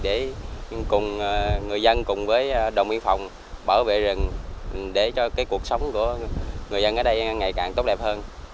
để cùng người dân cùng với đồng biên phòng bảo vệ rừng để cho cuộc sống của người dân ở đây ngày càng tốt đẹp hơn